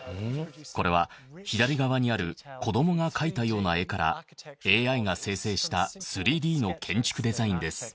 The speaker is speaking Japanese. これは左側にある子供が描いたような絵からＡＩが生成した３Ｄの建築デザインです。